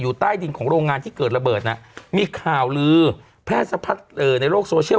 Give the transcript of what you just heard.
ใต้ดินของโรงงานที่เกิดระเบิดน่ะมีข่าวลือแพร่สะพัดในโลกโซเชียล